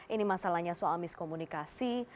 ini masalahnya soal miskomunikasi